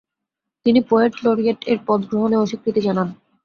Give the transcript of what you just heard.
তিনি পোয়েট লরিয়েট-এর পদ গ্রহণে অস্বীকৃতি জানান।